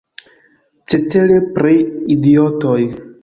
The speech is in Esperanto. Cetere, pri idiotoj.